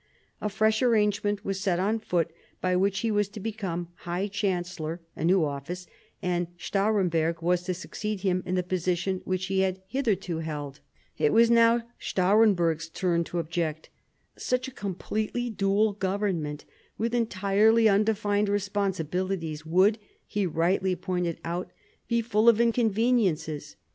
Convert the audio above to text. A fresh arrangement was set on foot, by which he was to become High Chancellor (a new office), and Stahremberg was to succeed him in the position which he had hitherto held. It was now Stahremberg's turn to object. Such a completely dual government, with entirely undefined responsibilities, would, he rightly pointed out, be full of inconveniences.